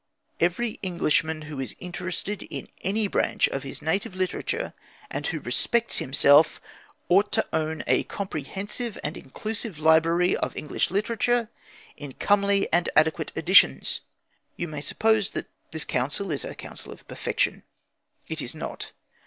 Every Englishman who is interested in any branch of his native literature, and who respects himself, ought to own a comprehensive and inclusive library of English literature, in comely and adequate editions. You may suppose that this counsel is a counsel of perfection. It is not.